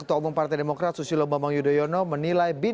ketua umum partai demokrat susilo bambang yudhoyono menilai bin